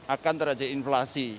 akan terjadi inflasi